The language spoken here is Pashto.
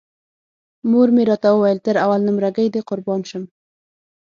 مور مې راته ویل تر اول نمره ګۍ دې قربان شم.